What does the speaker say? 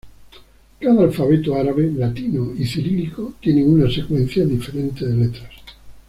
Cada alfabeto árabe, latino y cirílico tiene una secuencia diferente de letras.